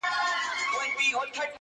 او پای يې خلاص پاته کيږي,